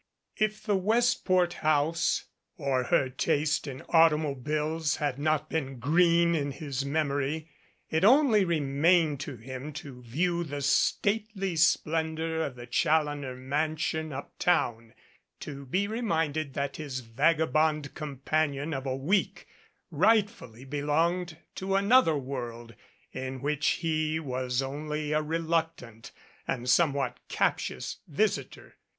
If the Westport house or her taste in automobiles LADY IN THE DUSK had not been green in his memory, it only remained to him to view the stately splendor of the Challoner mansion up town to be reminded that his vagabond companion of a week rightfully belonged to another world in which he was only a reluctant and somewhat captious visitor.